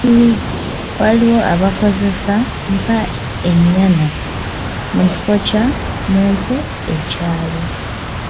Waliwo abakozesa ,“Mpa ennyana” mu kifo kya “mumpe ekyalo”.